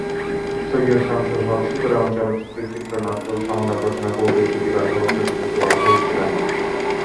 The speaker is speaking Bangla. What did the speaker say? সৈয়দ শামসুল হক 'সুতরাং' চলচ্চিত্রের চিত্রনাট্য ও সংলাপ রচনা করলেও গীতিকার হওয়ার জন্য মোটেও আগ্রহী ছিলেন না।